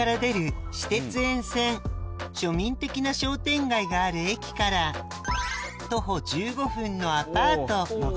住んでいるのはがある駅から徒歩１５分のアパート